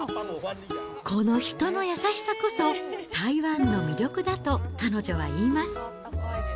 この人の優しさこそ、台湾の魅力だと彼女は言います。